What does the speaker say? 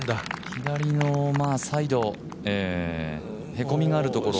左のサイド、へこみがあるところ。